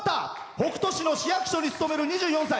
北斗市の市役所に勤める２４歳。